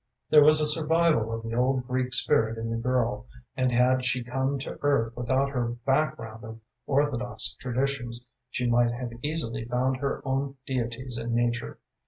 There was a survival of the old Greek spirit in the girl, and had she come to earth without her background of orthodox traditions, she might have easily found her own deities in nature.